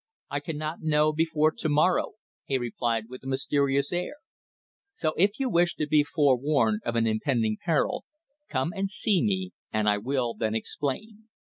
"I cannot know before to morrow," he replied with a mysterious air. "So if you wish to be forewarned of an impending peril, come and see me and I will then explain.